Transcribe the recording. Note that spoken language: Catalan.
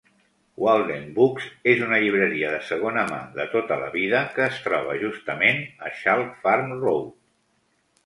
Walden Books és una llibreria de segona mà de tota la vida que es troba justament a Chalk Farm Road.